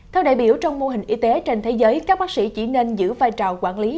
theo đại biểu trong mô hình y tế trên thế giới các bác sĩ chỉ nên giữ vai trò quản lý